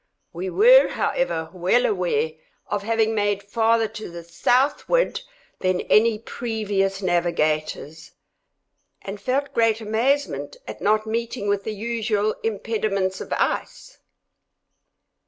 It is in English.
We were, however, well aware of having made farther to the southward than any previous navigators, and felt great amazement at not meeting with the usual impediments of ice.